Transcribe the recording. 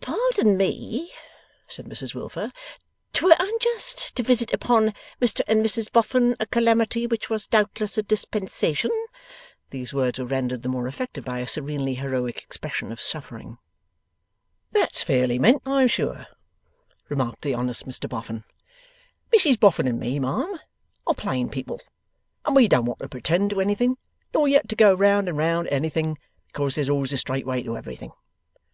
'Pardon me,' said Mrs Wilfer. ''Twere unjust to visit upon Mr and Mrs Boffin, a calamity which was doubtless a dispensation.' These words were rendered the more effective by a serenely heroic expression of suffering. 'That's fairly meant, I am sure,' remarked the honest Mr Boffin; 'Mrs Boffin and me, ma'am, are plain people, and we don't want to pretend to anything, nor yet to go round and round at anything because there's always a straight way to everything.